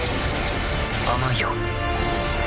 甘いよ。